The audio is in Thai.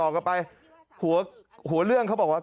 ในหัวเรื่องเขาบอกว่า